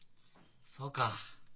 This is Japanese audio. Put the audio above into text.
そうか。